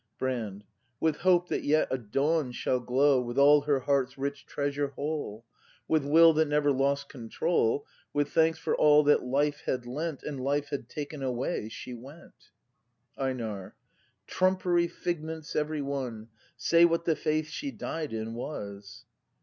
Brand. With Hope that yet a Dawn shall glow. With all her heart's rich treasure whole. With Will that never lost control. With thanks for all that life had lent And life had taken away, she went. EiNAR. Trumpery figments every one. Say what the faith she died in was.